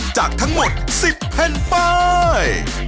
จากทั้งหมด๑๐แผ่นป้าย